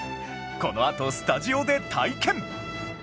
このあとスタジオで体験